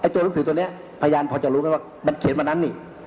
โจรุงสือตัวนี้พยานพอจะรู้กันว่ามันเขียนมานั้นนี่